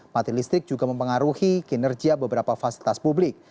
mati listrik juga mempengaruhi kinerja beberapa fasilitas publik